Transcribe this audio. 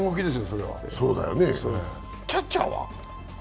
キャッチャーは？